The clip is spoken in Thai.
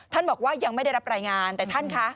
บอกว่ายังไม่ได้รับรายงานแต่ท่านคะ